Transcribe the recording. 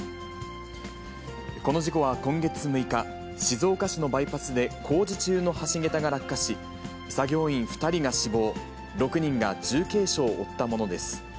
この事故は今月６日、静岡市のバイパスで工事中の橋桁が落下し、作業員２人が死亡、６人が重軽傷を負ったものです。